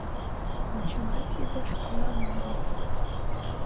Но чыла тиде шукылан огыл.